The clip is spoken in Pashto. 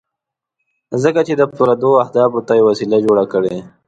ځکه چې د پردو اهدافو ته یې وسیله جوړه کړې.